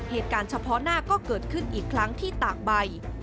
เหตุการณ์เฉพาะหน้าก็เกิดขึ้นอีกครั้งที่ตากใบ